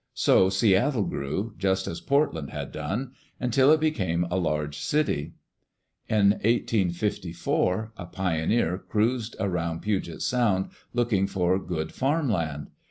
So Seattle grew, just as Portland had done, until it became a large city. In 1854, a pioneer cruised around Puget Sound looking for good farm land.